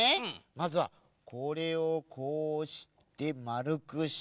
まずはこれをこうしてまるくして。